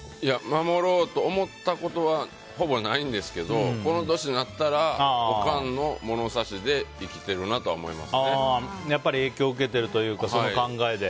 守ろうと思ったことはほぼないんですけどこの年になったらおかんの物差しで生きてるなとはやっぱり影響を受けているというかその考えで。